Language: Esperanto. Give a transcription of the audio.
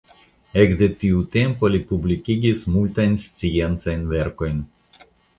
Ekde tiu tempo li publikigis multajn sciencajn verkojn.